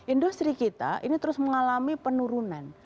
industri kita ini terus mengalami penurunan